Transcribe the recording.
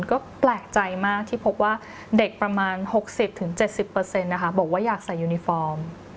ก็แปลกใจมากที่พบว่าเด็กประมาณ๖๐๗๐นะคะบอกว่าอยากใส่ยูนิฟอร์ม